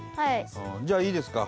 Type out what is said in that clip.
じゃあいいですか？